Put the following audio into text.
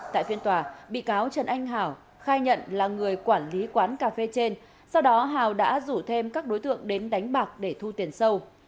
tại phiên tòa bị cáo trần anh hảo khai nhận là người quản lý quán cà phê trên sau đó hào đã rủ thêm các đối tượng đến đánh bạc để thu tiền sâu